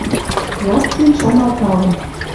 Лаптин шаналталын